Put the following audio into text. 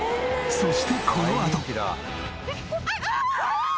そしてこのあと。